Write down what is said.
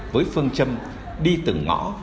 với phương châm đi từng ngõ